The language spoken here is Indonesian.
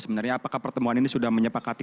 sebenarnya apakah pertemuan ini sudah menyepakati